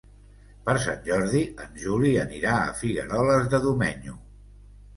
Per Sant Jordi en Juli anirà a Figueroles de Domenyo.